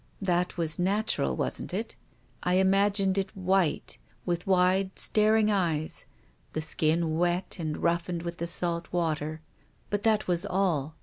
That was natural, wasn't it ? I imagined it white, with wide, staring eyes, the skin wet and roughened with the salt water. But that v/as all.